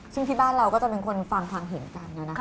ซึ่งที่บ้านเราก็จะเป็นคนฟังความเห็นกัน